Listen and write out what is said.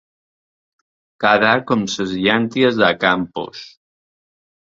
Quedar com ses llànties de Campos.